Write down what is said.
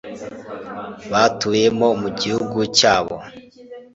batuyemo mu gihugu cyabo